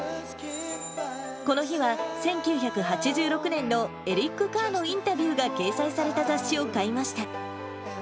この日は１９８６年のエリック・カーのインタビューが掲載された雑誌を買いました。